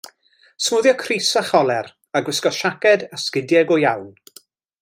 Smwddio crys â choler, a gwisgo siaced a sgidiau go iawn.